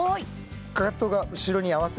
かかとを後ろに合わせます。